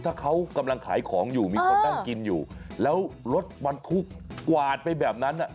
ถ้าเขากำลังขายของอยู่มีคนนั่งกินอยู่แล้วรถบรรทุกกวาดไปแบบนั้น